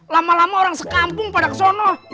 lama lama orang sekampung pada ke sono